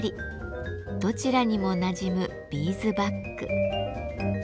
どちらにもなじむビーズバッグ。